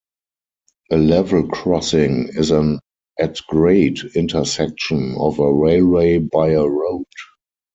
A level crossing is an at-grade intersection of a railway by a road.